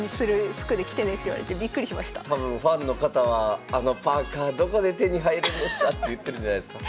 多分ファンの方は「あのパーカーどこで手に入るんですか？」って言ってるんじゃないすか？